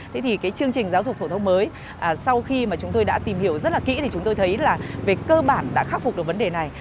thế thì cái chương trình giáo dục phổ thông mới sau khi mà chúng tôi đã tìm hiểu rất là kỹ thì chúng tôi thấy là về cơ bản đã khắc phục được vấn đề này